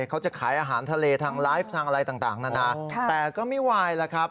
เขาจะขายอาหารทะเลทางไลฟ์ทางอะไรต่างนานาแต่ก็ไม่วายแล้วครับ